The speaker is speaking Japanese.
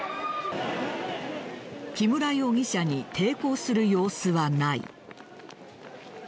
木村容疑者に抵抗する様子はない。